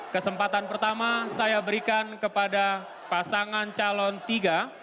kesempatan pertama saya berikan kepada pasangan calon tiga